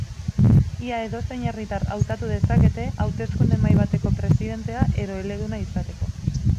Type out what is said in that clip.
Ia edozein herritar hautatu dezakete hauteskunde-mahai bateko presidentea edo eleduna izateko.